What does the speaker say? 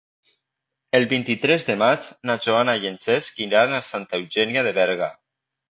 El vint-i-tres de maig na Joana i en Cesc iran a Santa Eugènia de Berga.